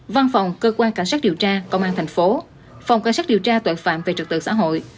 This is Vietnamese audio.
văn phòng cơ quan cảnh sát điều tra công an thành phố phòng cảnh sát điều tra tội phạm về trật tự xã hội